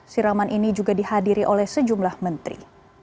siraman ini juga dihadiri oleh sejumlah menteri